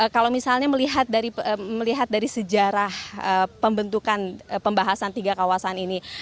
kalau misalnya melihat dari sejarah pembentukan pembahasan tiga kawasan ini